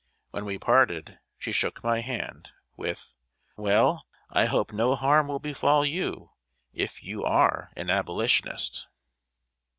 When we parted, she shook my hand, with: "Well, I hope no harm will befall you, if you are an Abolitionist!"